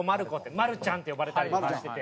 「まるちゃん」って呼ばれたりとかしてて。